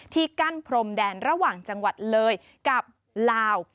กั้นพรมแดนระหว่างจังหวัดเลยกับลาว